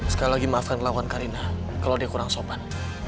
sekali lagi maafkan lawan karina kalau dia kurang sopan